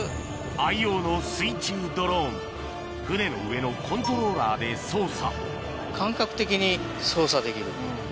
愛用の水中ドローン船の上のコントローラーで操作